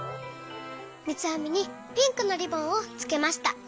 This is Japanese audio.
みつあみにピンクのリボンをつけました。